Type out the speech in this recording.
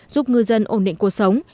giúp ngư dân ổn định cuộc sống